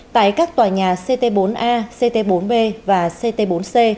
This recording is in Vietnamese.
tại các tòa nhà ct bốn a ct bốn b và ct bốn c